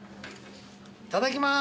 いただきます。